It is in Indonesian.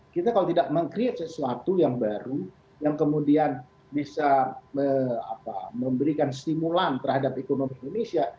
kita kalau tidak meng create sesuatu yang baru yang kemudian bisa memberikan stimulan terhadap ekonomi indonesia